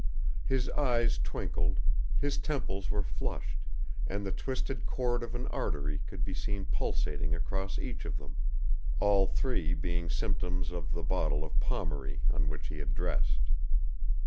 His eyes twinkled, his temples were flushed, and the twisted cord of an artery could be seen pulsating across each of them: all three being symptoms of the bottle of Pommery on which he had dressed.